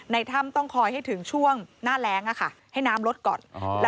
ถ้ำต้องคอยให้ถึงช่วงหน้าแรงให้น้ำลดก่อน